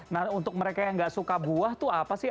nah untuk mereka yang nggak suka buah itu apa sih